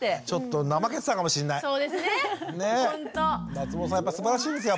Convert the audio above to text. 松本さんはすばらしいですよ